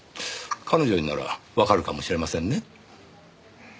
彼女にならわかるかもしれませんね。